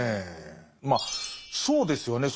まあそうですよね。